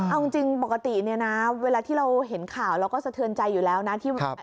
เอาจริงปกติเนี่ยนะเวลาที่เราเห็นข่าวเราก็สะเทือนใจอยู่แล้วนะ